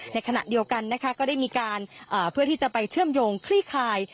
ในขณะเดียวกันนะคะก็ได้มีการเพื่อที่จะไปเชื่อมโยงคลี่คาย